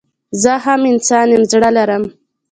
زه هم انسان يم زړه لرم